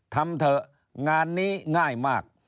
ทำเถอะงานนี้ง่ายมาก